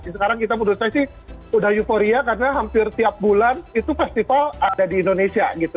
sekarang kita menurut saya sih sudah euforia karena hampir tiap bulan itu festival ada di indonesia gitu